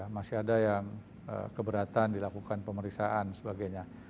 masih ada yang keberatan dilakukan pemeriksaan sebagainya